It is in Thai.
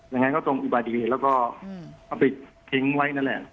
งั้นก็ตรงอุบัติเหตุแล้วก็เอาไปทิ้งไว้นั่นแหละ